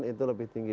itu lebih tinggi